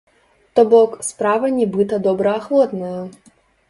То-бок, справа нібыта добраахвотная.